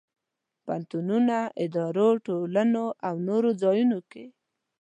پوهنتونونو، ادارو، ټولنو او نور ځایونو کې.